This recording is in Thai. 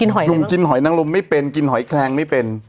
หนุ่มกินหอยนังลมไม่เป็นกินหอยแคลงไม่เป็น